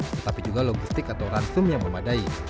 tetapi juga logistik atau ransum yang memadai